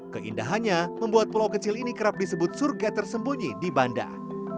keindahannya membuat pulau kecil ini kerap disebut surga tersembunyi di bandar